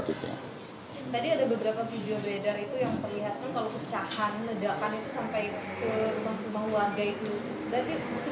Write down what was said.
tadi ada beberapa video beredar itu yang memperlihatkan kalau pecahan ledakan itu sampai ke rumah rumah warga itu